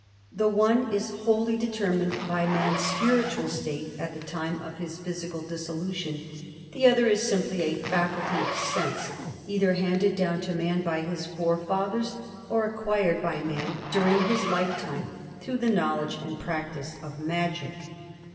The one is wholly determined by man's spiritual state at the time of his physical dissolution; the other is simply a faculty of sense, either handed down to man by his forefathers or acquired by man, during his lifetime, through the knowledge and practice of magic.